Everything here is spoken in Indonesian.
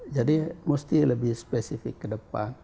jadi musti lebih spesifik ke depan